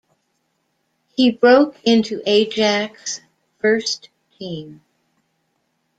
He broke into Ajax's first team.